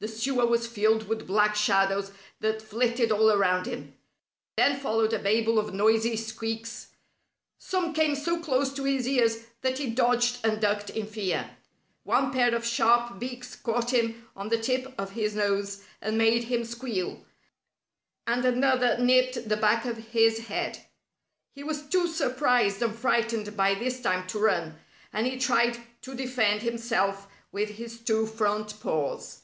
The sewer was filled with black shadows that flitted all around him. Then followed a babel of noisy squeaks. Some came so close to his ears that he dodged and ducked in fear. One pair of sharp beaks caught him on the tip of his nose and made him squeal, and another nipped the back of his head. He was too surprised and frightened by this time to run, and he tried to defend himself with his two front paws.